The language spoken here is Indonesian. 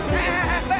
ya aku tau be